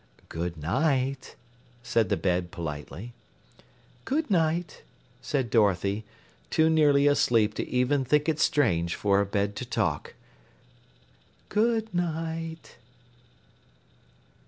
"Good night!" said the bed politely. "Good night!" said Dorothy, too nearly asleep to even think it strange for a bed to talk. "Good night!"